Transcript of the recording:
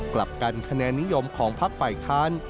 กลับกันคะแนนนิยมของพักฝ่ายค้าน